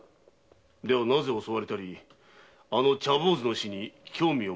ではなぜ襲われたりあの茶坊主の死に興味を持たれる？